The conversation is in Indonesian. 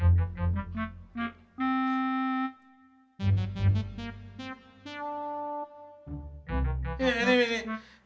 aduh aduh gue geli geli